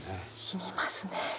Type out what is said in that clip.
しみますね。